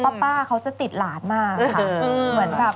คือป้าเขาจะติดหลานมากค่ะ